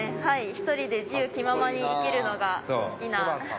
一人で自由気ままに生きるのが好きな。